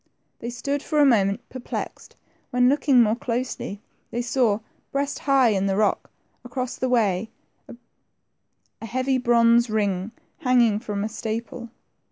They stood for a moment perplexed, when, looking more closely, they saw, breast high in the rock across the way, a heavy bronze ring hanging from a staple.